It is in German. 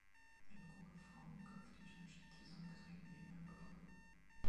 Eine Gruppe Frauen mit Kopftüchern steht zusammengedrängt neben einem Gebäude.